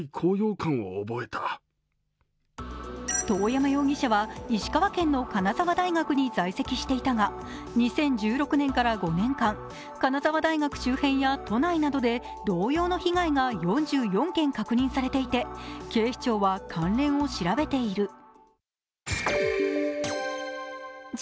遠山容疑者は、石川県の金沢大学に在籍していたが、２０１６年から５年間、金沢大学周辺や都内などで同様の被害が４４件確認されていて警視庁は関連を調べている。